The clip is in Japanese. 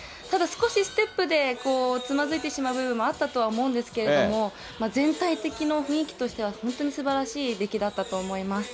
ただ少しステップでつまずいてしまう部分もあったと思うんですけど、全体的の雰囲気としては本当にすばらしい出来だったと思いま